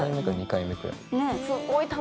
２回目ぐらいか。